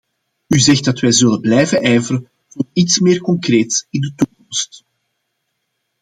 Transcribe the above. U zegt dat wij zullen blijven ijveren voor iets meer concreets in de toekomst.